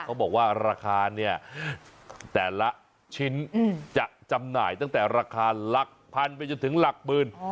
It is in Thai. เขาบอกว่าราคาเนี่ยแต่ละชิ้นจะจำหน่ายตั้งแต่ราคาหลักพันไปจนถึงหลักหมื่น